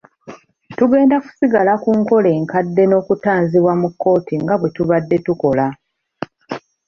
Tugenda kusigala ku nkola enkadde n’okutanzibwa mu kkooti nga bwe tubadde tukola.